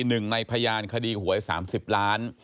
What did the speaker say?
หนึ่งในพยานคดีหวย๓๐ล้าน